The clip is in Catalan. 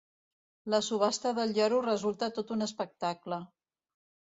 La subhasta del lloro resulta tot un espectacle.